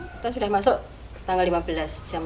kita sudah masuk tanggal lima belas jam